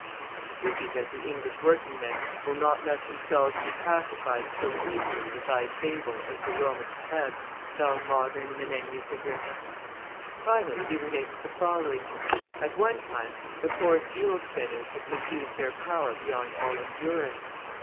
A pity that the English working men will not let themselves be pacified so easily with thy fable as the Roman Plebs, thou modern Menenius Agrippa! Finally, he relates the following: At one time the coarse mule spinners had misused their power beyond all endurance.